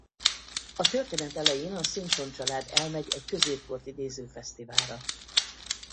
A történet elején a Simpson család elmegy egy középkor idéző fesztiválra.